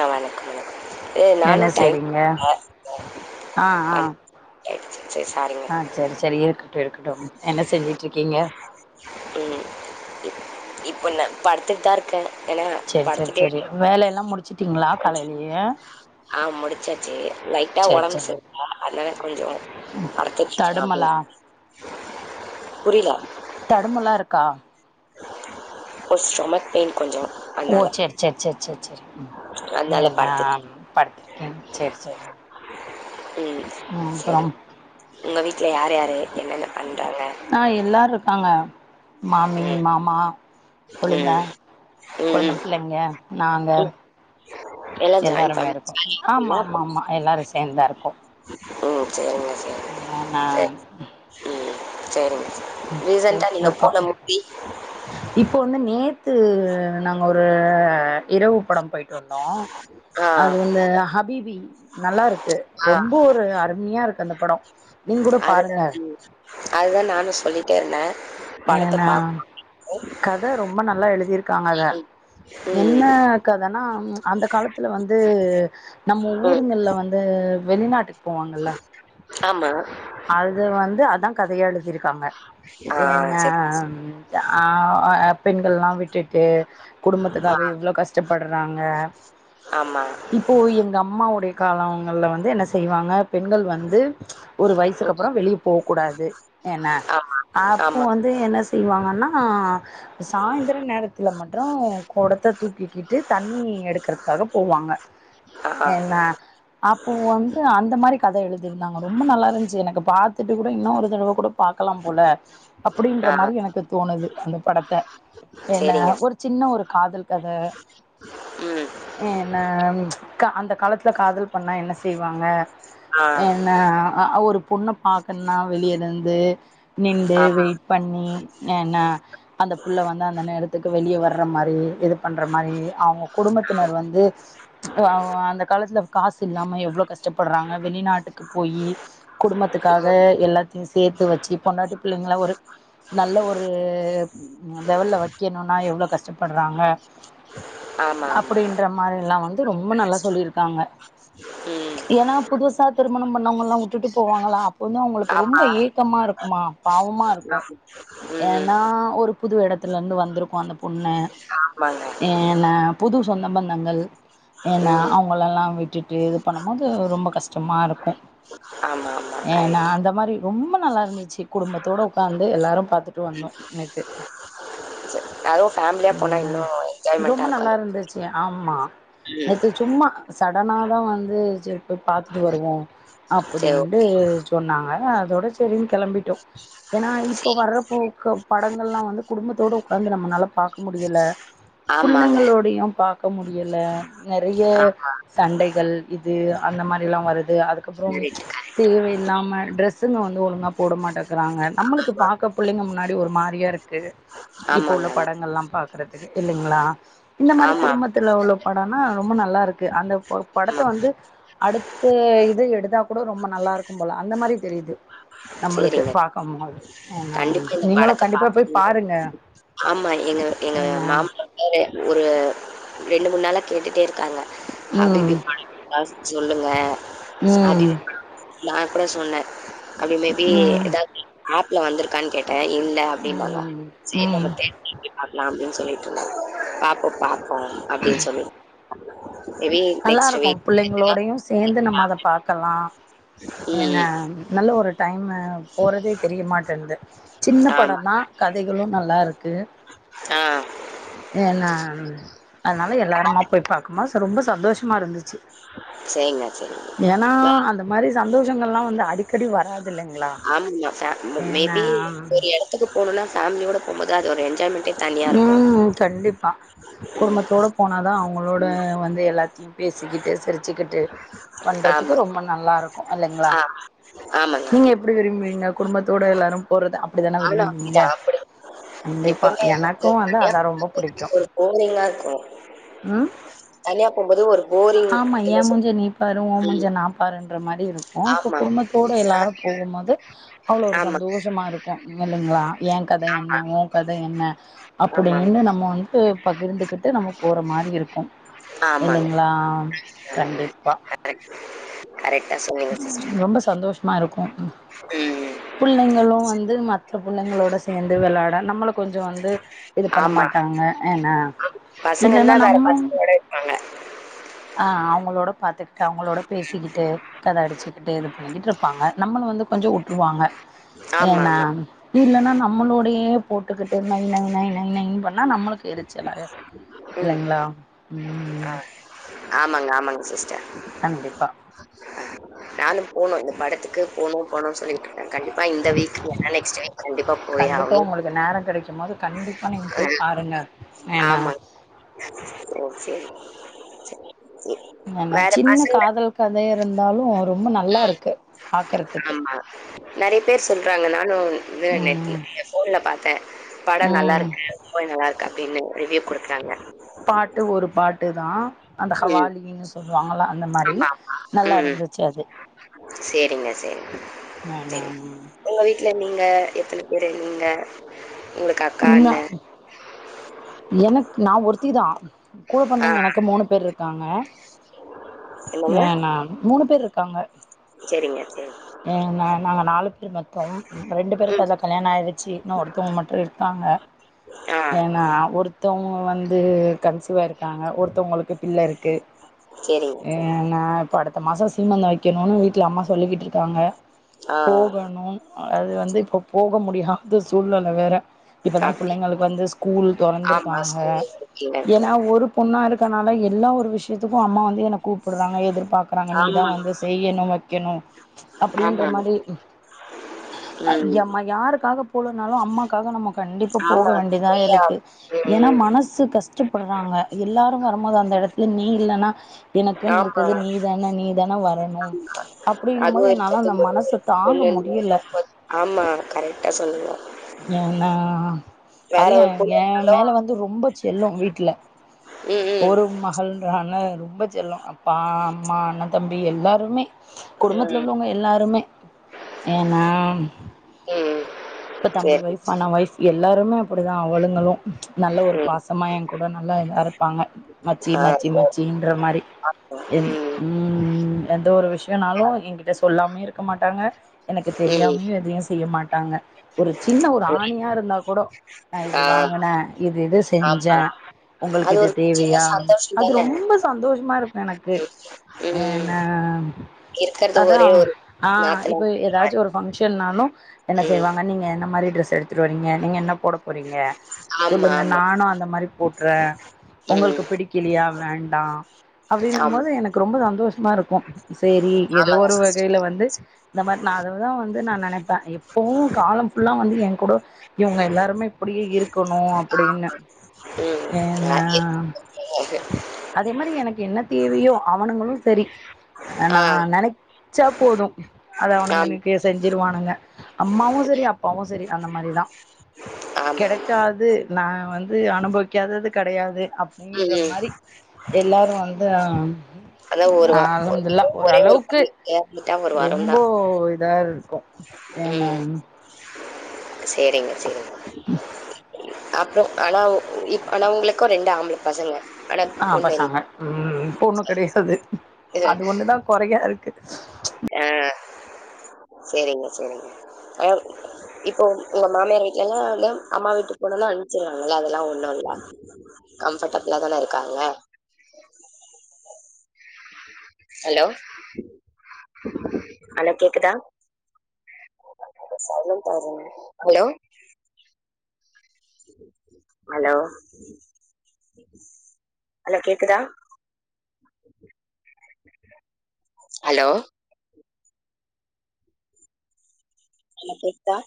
எ வணக்கமுங்க ஏ என்ன நானு டைம் செய்றீங்க இல்ல ஆ ஆ சேர் சேர் சாரிங்க ஆ சரி சரி இருக்கட்டு இருக்கட்டு என்ன செஞ்சிட்ருக்கீங்க ம் இப்போ நா படுத்துட்தா இருக்க என்னன்னா படுத்துட்டே வேலயெல்லா முடுச் ச்சிட்டீங்களா கொஞ்ச கலையிலயே ஆ முடுச்சாச்சு லைட்டா சரி சரி ஒடம்செரில அதனால கொஞ்சோ படுத்துட்ருக்க அப்டியே தடுமலா புரில தடம்மல்லா இருக்கா ஒரு ஸ்டொமக் பெயின் கொஞ்சோ ஓ அதனால செர் செர் செர் செர் செரி ம் அதனால எ நா படுத்துட் படுத்துருக்கேங் செர் செரிங்க ம் செரி உங்க வீட்ல யாரு யார் எ என்னென்ன பண்றாங்க ஆ எல்லாரு இருக்காங்க மாமி ம் மாமா கொழுந்த ம் ம் ம் கொழுந்தம் பிள்ளைங்க நாங்க ம் எல்லா ஜாயின் எல்லாருமே ஃபேமிலி இருக்கோ ஜாலியா இருக்குல்ல ஆமா மா மா எல்லாரு சேந்தா இருக்கோ ம் சேரிங்க சேரி ஏன்னா ம் சேரிங்க சேர் ஓகே கா இப்போ வந்து நேத் த்து நாங்கோ ஒரு இரவு படம் போயிட்டு வந்தோம ஆ அது வந்து ஹபீபி நல்லா இருக்கு ரொம்போ ஒரு அருமியா இருக்கு அந்த படோ அதுதான்டி அதுதா நானு சொல்லி ட்டுன்ன ஏன்னா கதை ரொம்ப நல்லா எழுதியிருக்காங்க அத என்ன ம் கதைன்னா அந்த காலத்துல வந்து நம்ம ம் ஊருங்களுல வந்து வெளிநாட்டுக்கு போவாங்கல்ல ஆமாம் அது வந்து அதன் கதையா எழுதியிருக்காங்க ஆ ஏனா சரி ஆ பெண்கள்லாம் விட் விட்டுட்டு ஆ குடும்பத்துக்காக எவ்ளோ கஷ்டப்படுறாங்க ஆமாம் இப்போ எங்க அம்மாவுடைய காலங்கல்ல வந்து என்ன செய்வாங்க பெண்கள் வந்து ஒரு வயசுக்கு அப்றோ வெளியே போக கூடாது என்ன ஆ அப்போ ஆமாம் வந்து என்ன செய்வாங்கன்னா ஆ சாய்ந்தரம் நேரத்துல மட்டும் குடத்தை தூக்கிக்கிட்டு தண்ணி எடுக்கறதுக்காக போவாங்க ஆ ஆ என்ன அப்போ வந்து அந்த மாரி கதை எழுதிருந்தாங்க ரொம்ப நல்லாருந் திச்சி எனக்கு பாத் திட்டு கூட இன்னும் ஒரு தடவை கூட பாக்கலாம் போல அப்டின்ற ஆ மாரி எனக்கு தோணுது அந்த படத்த என்ன சரிங்க ஒரு சின்ன ஒரு காதல் கத ம் ஏன்னா அந்த காலத்துல காதல் பண்ணா என்ன செய்வாங்க ஆ என்ன ஒரு பொண்ண பாக்கணுனா வெளிய இருந்து நின்று ஆமாம் வெயிட் பண்ணி என்ன அந்த புள்ள வந்து அந்த நேரத்துக்கு வெளியே வர்ற மாரி இது பண்ற மாரி அவுங்க குடும்பத்தினர் வந்து அ அந்த காலத்துல காசு இல்லாம எவ்ளோ கஷ்டப்படுறாங்க வெளிநாட்டுக்கு போயி குடும்ப த்துக்காக ம் எல்லாத்தையும் சே சேர்த்து வச்சி பொண்டாட்டி பிள்ளைங்கள ஒரு நல்ல ஒரு லெவல்ல வைக்கணுனா எவ்ளோ கஷ்டப்படுறாங்க ஆமாம் ஆமாம் அப்டின்ற மாரில்லாம் வந் ரொம்ப நல்லா சொல்லியிருக்காங்க ம் ஏன்னா புதுசா திருமணம் பண்ணவங்கெல்லாம் விட்டுட்டு போவாங்களா ஒன்னு அவங்களுக்கு ரொம்ப ஆமாம் ஏக்கமாருக்கு மா பாவுமா ம் ஏன்னா ஒரு புது இடத்துலருந்து வந்திருக்கும் அந்த பொண்ணு ஆமாங்க ஏனா புது சொந்த பந்தங்கள் ஏன்னா ம் அவுங்களெல்லா விட்டுட்டு அப்டி இது பண்ணும்போது ரொம்ப கஷ்டமா இருக்கும் ஆமா ஆமா கரெக்ட் ரொம்ப நல்லா இருந்துச்சு குடும்பத்தோட உக்காந்து எல்லாரும் பாத்து வந்தோம் நேத்து [inaudible] சரி அதுவும் ஃபேமிலியாக போனால் இன்னும் ரொம்ப என்ஜாய்மெண்ட்டாக நல்லா இருக்கும் இருந்துச்சி ஆமா ம் நேற்று சும்மா சடனா தா வந்து சரி போய் பாத்துட்டு வருவோம் அப் சரி அப்பிடின்ட்டு ஓகே சொன்னாங்க அதோட சரின்னு கிளம்பிட்டோம் ஏன்னா இப்ப வர்றப்போ படங்கள் எல்லா வந்து குடும்பத்தோட வந்து நம்மளால பாக் முடியல ஆமாங்க பிள்ளைங்களோடையும் பாக்க முடியல நெறைய ஆ சண்டைகள் இது அந்த மாதிரிலாம் வரு து அதுக்கப்புறம் கரெக்ட் தேவை இல்லாம ட்ரெஸ்ஸுங்க வந்து ஒழுங்கா போட மாட்டேங்கிறாங்க நம்மளுக்கு பாக்க புள்ளைங்க முன்னாடி ஒரு மாரியா இருக்கு இப்ப ஆமாங்க, உள்ள ஆமா. படங்கள் எல்லா பாக்குறதுக்கு இல்லைங்களா இந்த மாரி ஆமா, குடும்பத்துல உள்ள படம்னா ரொம்ப நல்லா இருக் அந்த படத்த ஆமா. வந்து அடுத்த இது எடு கூட ரொம்ப நல்லா இருக்கும் போல அந்த மாரி தெரியுது நம்மளுக்கு பாக்கம் போது கண்டிப்ப இந்த படத்த பாக்கணு பாருங்க ஆமா எங்க எங்க ஏன்னா மாமா ஒரு ஒரு ரெண்டு மூணு நாளா கேட்டுட்டே இருக்காங்க ம் [unintelligible] சொல்லுங்க ம் [unintelligible] அப்றோ சொன்னேன் அது மேபி ம் ஏதாது ஆப் இல்ல வந்துருக்கானு கேட் டன் இல்ல அப்டினாவ ம் சேரி ம் நம்ம தியேட்டர்ல போய் பாக்கலாம் அப்டினு சொல்லிட்டு இருந்தாங்க பாப்போம் பாப் அ அப்டின்னு சொல்லி மேபி நெக்ஸ்ட் வீக் நல்லாருக்கும் புள்ளைங்களோடையு சேந்து நம்ம அத பாக்கலா ம், ஏனா ம். நல் ல ஒரு டைம ன போறதே தெரிய மாட்டன்து சின்ன ஆமா. படொந்தா கதைகளு நல்லாருக்கு ஆ ஏன்னா அத்னால எல்லாருமா போய் பாக்கும்மோ ரொம்ப சந்தோஷமா இருந்துச்சு சரிங்க, சரிங்க. ஏனா அந்த மாரி சந்தோஷங்கள்லா வ ஆமாமா ஃப ஏன்னா மேபி ஒரு எடத்துக்கு போணுனா ஃபேமிலியோட போம்போது அது ஒரு என்ஜாய்மெண்ட்டே தனியா இருக்கும். ம் கண்டிப்பா ம். குடும்பத்தோட போனாதா அவுங்களோட ம். வந்து எல்லாத்தையு பேசிக்கிட்டு சிரிச்சுக்கிட்டு பண்றதுக்கு ஆமா. ரொம்ப நல்லா இருக்கு இல்லெங்ளா ஆ ஆமாங்க, நீங்க ஆமா. எப்டி விரும்புவீங்க குடும்பத்தோட எல்லாரும் போறத அப்டிதான விரும்புவீங்க கண்டிப்பா எப்பம்மே எனக்கு வந்து தனியா அதா ரொம்ப புடிக்கு [inaudible] ஒரு போரிங்காருக்கு ம் ஒரு போரிங் ஆமா ஏ என்ன சொல் மூஞ்ச நீ பாரு ஓ ம். மூஞ்ச நா பாருன்ற மாரி இருக்கு இப்ப ஆமா. குடும்பத்தோட ஃபே எல்லாரும் போகும்போது அவ்ள ஒரு ஆமா, சந்தோஷமா இருக்கு மில்லிங்ளா ஏ கத என்ன ஓ கத என்ன ஆமாம். அப்புடின்னு நம்ம வந்து பகிர்ந்துகிட்டு நம்ம போற மாரி இருக்கு ஆமாங்க, இல்லிங்ளா ஆமாங்க. கண்டிப்பா கரெக்ட்டா சொன்னீங்க சிஸ்டர். ரொம்ப சந்தோஷமா இருக்கு ம். புள்ளைங்களு வந்து மத் த புள்ளைங்களோட சேந்து வெளாட நம்மள கொஞ்சொ வந்து இது பண்ண ஆமா. மாட்டாங்க ஏனா இல்லனா பசங்கன்னா வேற நம்ம பசங்களோட இருப்பாங்க. ஆ அவு ங்களோட பாத்துகிட்டு அவுங்களோட பேசிகிட்டு [unintelligible] அடிச்சுக்கிட்டே இது பண்ணிக்கிட்ருப்பாங்க நம்மளு வந்து கொஞ்சொ உ ட்ருவாங்க ஏனா ஆமாமா. இல்லன்னா நம்மளோடையே போட்டுக்கிட்டு நை நை நை நை நைன் பண்ணா நம்மளுக்கு எரிச்சலாயிரு ம். இல்லைங்ளா ம் ஆமாங்க, ஆமாங்க சிஸ்டர். கண்டிப்பா போனு இந்த படத்துக்கு போனு போணுன் சொல்லிகி ட்ருக்கே கண்டிப்பா இந்த வீக் இல்லனா நெக்ஸ்ட் வீக் கண்டிப்பா போயே கண்டிப்பா ஆவ்னு உங்களுக்கு நேரோ கெடைக்கும் போது கண்டிப்பா நீங்க ஆ போய் பாருங்க ஏன்னா ஆமா ஓகே ஹமுஸ் என்னா சின்ன காதல் கதையா இருந்தாலும் ரொம்ப நல்லா இருக்கு பாக்குறதுக்கு ஆமா. நெறைய பேர் சொல்றாங்க. நானும் இது நெட்ல ம் ஃபோன்ல பார்த்தேன். படம் நல்லா ம் இருக்கு போய் நல்லா அப்டின்னு ரிவ்யூ குடுத்தாங்க பாட்டு ஒரு பாட்டு தா அந்த ம். ஹவாலின்னி சொல்லுவாங்கல்லா அந்த மாரி ஆமா, ஆமா. நல்லா ம். இருந்துச்சு அது சரிங்க, சரிங்க, ஆமா ஆமா ங்க எத்தன பேர் இங்க ம் எனக்கு நா ஒருத்திதா கூட ஆ பொறந்தவுங்க எனக்கு மூணு பேர் இருக்காங்க என்னங்க? ஏணா மூணு பேர் காங்க சரிங்க, சரி. அ நா நாங்க நாலு பேர் மொத்தம் ரெண்டு ம். பேருக்கு கல்யாணம் ஆயிடுச்சு இன்னோ ஒருத்தலங்க மட்டும் ங்காங்க ஆ ஏன்னா ஒருத் தவங்க வந்து கன்ஸ்யூவா இருக்காங்க ஒருத்தவங்களுக்கு பிள்ளை இருக்கு ஹா சரிங்க. நான் பட மாசம் சீமந்தம் வைக்கணும்னு வீட்ல அம்மா சொல்லிக்கிட்டு இருக் காங்க ஆ. போகணு அது வந்து இப்ப போக முடியாது சூழ்நில வேற இப்பதான் அப் பிள்ளைகளுக்கு வந்து ஸ்கூல் ஆமா. தொறந்திருக்காங்க ஸ்கூல் கீழ இருக்கு. ஏன்னா ஒரு பொண்ணா இருக்கனால எல்லா ஒரு விஷ யத்துக்கும் அம்மா வந்து என்ன கூப்டுறாங்க எதிர்பாக்குறாங்க நீ ஆமா. தா வந்து செய்யணு வை கனும் அப்டின்ற ஆமா. மாரி ம். எம்ம யாருக்காக போலனாலும் அம்மாக்காக நம்ம கண்டிப்பா போக ஆமா. வேண்டிய தா கொய்யா. இருக்கு ஏன்னா ம். மனசு கஷ்டப்படுறாங்க எல்லாரும் வரம போது அந்த இடத்துல நீ இல்லன்னா எனக்குன்னு ஆமா இருக்குது நீ தான நீ தான வரணு அப்படின்னும் போது அதுவும் என்னால அந்த மனச தாங்க முடியல [unintelligible] ஆமா கரெக்டா சொன்னீங்க ஆ வேற அதுவும் ஒரு என் பொண்ணு என் இருந்தாலும் மேல வந்து ரொம்ப செல்லம் வீட்ல ம், ம். ஒரு மகள்றாலை ரொம்ப செல்லம் அப்பா அம்மா அண்ணன் தம்பி எல்லாருமே குடும்பத்துல ம். உள்ளவங்க எல்லாருமே ஏன்னா ம். இப்ப தம்பி சரி. வைஃப் அண்ணா வைஃப் எல்லாருமே அப்டிதான் அவளுங்களும் ம் நல்ல ஒரு ம். பாசமா என் கூட நல்லா இதா இருப்பாங்க மச்சி ஆ. மச்சி மச்சின்ற மாரி எந் ம் எந்த ஒரு விஷயோன்னாலு ஏன்கிட்ட சொல்லாம இருக்க மாட்டாங்க எனக்கு தெரியாமியு எதையு செய்ய மாட் டாங்க. ஒரு சின்ன ஒரு ஆ புரியுது. இருந்தா கூடோ நா இது ஆ. வாங்குனே இது இது செஞ்சே ஆமா. உங்களுக்கு அது இது ஒரு சின்ன தேவையா சந்தோஷம் அது தானே! ரொம்ப சந்தோஷமா இருக்கு எனக்கு ம். ஆ ம். நா இருக்கிறது அதா ஒரே ஒரு ஆ நாத்தனார் இப்ப மாரி. ஏதாச்சு ஒரு பங்க்ஷன்னாலு என்ன ம். செய்வாங்க நீங்க என்ன மாரி ட்ரெஸ் எடுத் துட்டு வர்றீங்க நீங்க என்ன போடப் போறீங்க ஆமா, சொல்லுங்க ஆமா. நானு அந்த மாரி போட்றே ம். உங்களுக்கு பிடிக்கலியா வேண்டா அப்டின்னும் ஆமா. போது எனக்கு ரொம்ப சந்தோஷ மா இரு க்கு சேரி எதோ ஆமாங்க ஒரு சிஸ்டர். வகையில வந்து இந்த மாரி நா அததா வந்து நா நெனைப்பே எப்பவு காலம் ஃபுல்லா வந்து என் கூட இவங்க எல்லாருமே இப்படியே இருக்கணு அப்படின்னு ம் ஆ ஏன்னா அதே மாரி எனக்கு என்ன தேவையோ அவனுங்களு சரி ஆ நா நெனைச்சா போது அத ஆமா, அவனுங்க எனக்கு செஞ்சிருவானுங்க. அம்மாவு சரி அப்பாவு சரி அந்த மாரிதா ஆமா. கெடைக்காது நா வந் து அனுபவிக்காதது கெடையாது ம், அப்டின்ற ம். மாரி எல்லாரு வந்து அதான் ஒரு வா ஆரம்பத்துல ஒரு ஒரே ஒரு ஓரளவுக்கு பள்ளி சேர்ந்துட்டா ஒரு வாரம் ரொம்ப தான். இதா இருக்கு ஏன்னா [inaudible] சேரிங்க சேரிங்க. அப்ப ஆனா இப் ஆனா உங்களுக்கு ரெண்டு ஆம்பள பசங்க ஆனா ஆ பொண்ணு பசங்க ம் பொண்ணு கெடையாது இல்ல. அது ஒண்ணுதா கொறையா இருக் சேரிங்க சேரிங்க ஆ இப்போ உங்க மாமியார் வீட்லலா ஆனா அம்மா வீட்டு போகணுன்னா அனுப்ச்சிருவாங்கல்ல அதெல்லா ஒண்ணு இல்ல கம்ஃபர்டபுளாதான இருக்காங்க ஹலோ ஹலோ கேக்குதா சைலண்ட்டா இரு ஹலோ ஹலோ ஹலோ கேக்குதா? ஹலோ என்ன கேக்குதா?